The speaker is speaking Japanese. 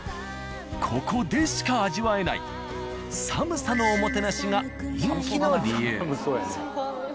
ここでしか味わえない寒さのおもてなしが人気の理由。